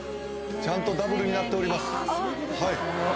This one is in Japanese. ちゃんとダブルになっております。